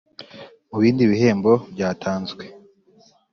Mu bindi bihembo byatanzwe